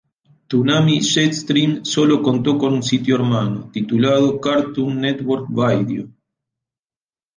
Toonami Jetstream sólo contó con un sitio hermano, titulado “Cartoon Network Video".